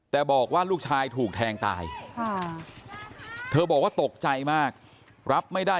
แต่บอกว่าลูกชายถูกแทงตายเธอบอกว่าตกใจมากรับไม่ได้